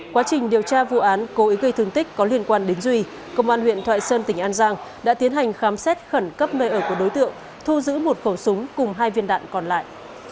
quá trình điều tra vụ án cố ý gây thương tích có liên quan đến duy công an huyện thoại sơn tỉnh an giang đã tiến hành khám xét khẩn cấp nơi ở của đối tượng thu giữ một khẩu súng cùng hai viên đạn còn lại